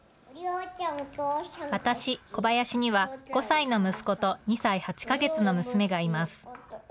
私、小林には５歳の息子と２歳８か月の娘がいます。